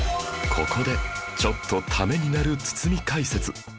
ここでちょっとためになる堤解説